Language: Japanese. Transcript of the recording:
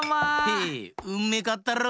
へえうんめかったろ？